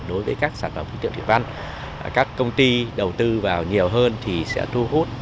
đối với các sản phẩm khí tượng thủy văn các công ty đầu tư vào nhiều hơn thì sẽ thu hút